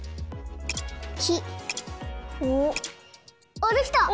あっできた！